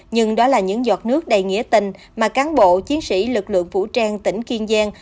nhưng đó là những giọt nước đầy nghĩa tình mà cán bộ chiến sĩ lực lượng vũ trang tỉnh kiên giang